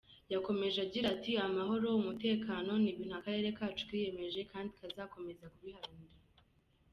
Yakomeje agira ati “Amahoro, umutekano ni ibintu akarere kacu kiyemeje kandi kazakomeza kubiharanira.